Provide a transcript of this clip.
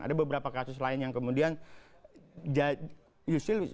ada beberapa kasus lain yang kemudian yusril berkedudukan sebagai